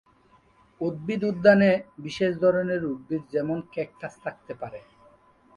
উদ্ভিদ উদ্যানে বিশেষ ধরনের উদ্ভিদ যেমন ক্যাকটাস থাকতে পারে।